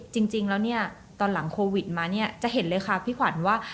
จริงแล้วตอนหลังโควิดมาจะเห็นเลยค่ะพี่ขวัญว่า